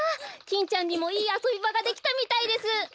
キンちゃんにもいいあそびばができたみたいです。